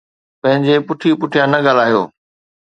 پنهنجي پٺي پٺيان نه ڳالهايو